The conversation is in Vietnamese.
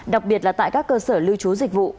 đặc biệt là tại các cơ sở lưu trú dịch vụ